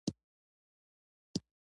سړي وويل: اوبه د جومات له بمبې ورته راوړه!